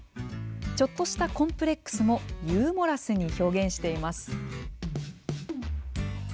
ちょっとしたコンプレックスもユーモラスに表現しています。